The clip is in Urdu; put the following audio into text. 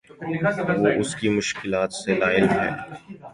وہ اس کی مشکلات سے لاعلم ہے